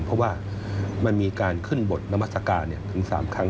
เพราะว่ามันมีการขึ้นบทนามัศกาลถึง๓ครั้ง